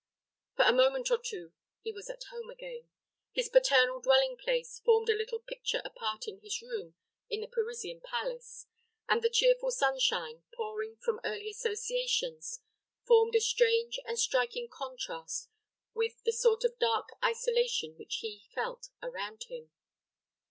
For a moment or two he was at home again. His paternal dwelling place formed a little picture apart in his room in the Parisian palace, and the cheerful sunshine, pouring from early associations, formed a strange and striking contrast with the sort of dark isolation which he felt around him.